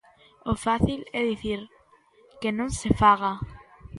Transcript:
O fácil é dicir: que non se faga.